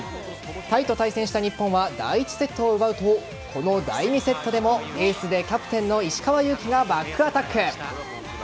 タイと対戦した日本は第１セットを奪うとこの第２セットでもエースでキャプテンの石川祐希がバックアタック。